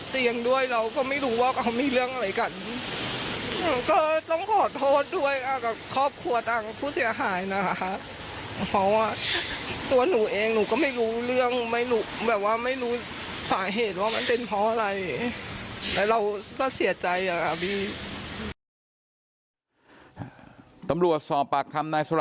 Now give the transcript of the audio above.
สามารถสินค้าให้แห่งเกียรติฐาน